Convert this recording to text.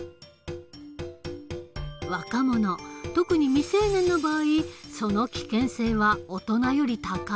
若者特に未成年の場合その危険性は大人より高い。